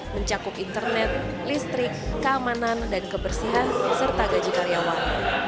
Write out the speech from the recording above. mencakup internet listrik keamanan dan kebersihan serta gaji karyawan